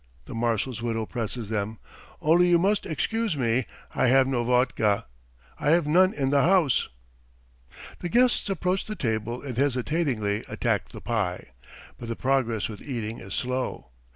the marshal's widow presses them. "Only you must excuse me, I have no vodka. ... I have none in the house." The guests approach the table and hesitatingly attack the pie. But the progress with eating is slow.